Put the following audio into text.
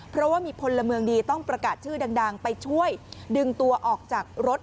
เพราะว่ามีพลเมืองดีต้องประกาศชื่อดังไปช่วยดึงตัวออกจากรถ